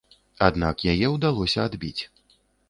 Аднак яе ўдалося адбіць.